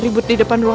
aku ada bantuan